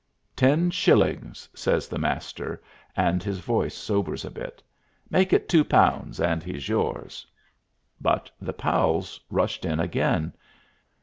"Ten shillings!" says the Master, and his voice sobers a bit; "make it two pounds and he's yours." But the pals rushed in again.